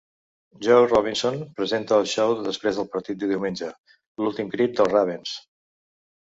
Joe Robinson presenta el show de després del partit de diumenge "L'últim crit dels Ravens".